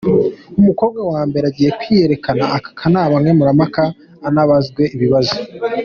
Umukobwa wa mbere agiye kwiyereka akanama nkemurampaka, anabazwe ibibazo.